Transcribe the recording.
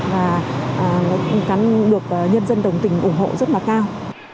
và được nhân dân đồng tình ủng hộ rất là cao